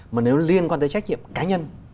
mà nếu liên quan tới trách nhiệm cá nhân